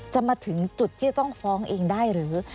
จะมาถึงจุดที่จะต้องฟ้องเองได้หรือ